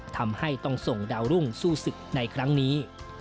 ทำให้ต้องส่งดาวรุ่งสู้ศึกในครั้งนี้